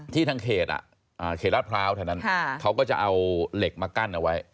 ทางเขตราชพร้าวแถวนั้นเขาก็จะเอาเหล็กมากั้นเอาไว้